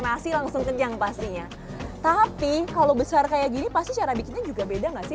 nasi langsung kenyang pastinya tapi kalau besar kayak gini pasti cara bikinnya juga beda nggak sih